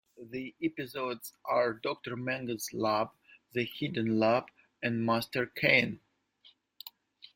The episodes are "Dr. Mangle's Lab", "The Hidden Lab" and "Master Cain".